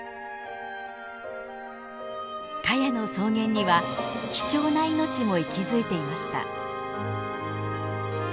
カヤの草原には貴重な命も息づいていました。